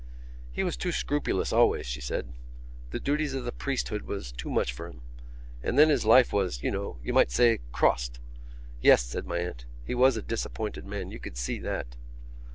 "He was too scrupulous always," she said. "The duties of the priesthood was too much for him. And then his life was, you might say, crossed." "Yes," said my aunt. "He was a disappointed man. You could see that."